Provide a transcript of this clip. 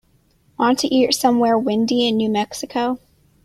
want to eat somewhere windy in New Mexico